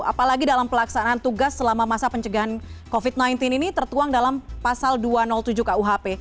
apalagi dalam pelaksanaan tugas selama masa pencegahan covid sembilan belas ini tertuang dalam pasal dua ratus tujuh kuhp